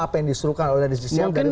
apa yang disuruhkan oleh dari mekah